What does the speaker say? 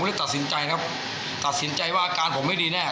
เลยตัดสินใจนะครับตัดสินใจว่าอาการผมไม่ดีแน่